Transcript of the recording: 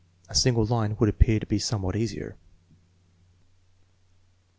A single line would appear to be somewhat easier.